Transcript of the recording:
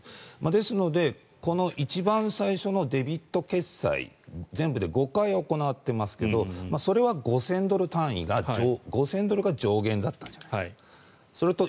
ですのでこの一番最初のデビット決済全部で５回行っていますがそれは５０００ドルが上限だったんじゃないかと。